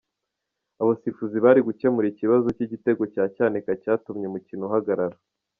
Abasifuzi bari gukemura ikibazo cy’igitego cya Cyanika cyatumye umukino uhagarara.